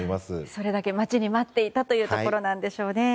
それだけ待ちに待っていたというところなんでしょうね。